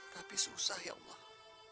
tapi susah ya allah